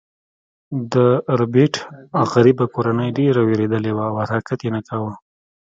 د ربیټ غریبه کورنۍ ډیره ویریدلې وه او حرکت یې نه کاوه